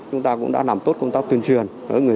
chúng ta cũng đã làm tốt công tác tuyên truyền